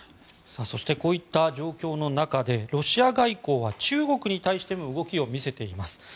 こういった状況の中でロシア外交は中国に対しても動きを見せています。